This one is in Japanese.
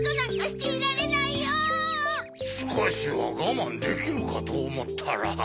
すこしはがまんできるかとおもったら。